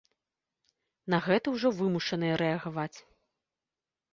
На гэта ўжо вымушаныя рэагаваць.